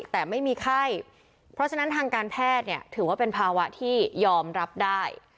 แต่ไม่มีไข้เพราะฉะนั้นทางการแพทย์เนี่ยถือว่าเป็นภาวะที่ยอมรับได้